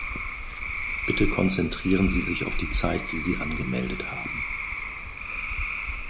Bitte konzentrieren Sie sich auf die Zeit, die Sie angemeldet haben.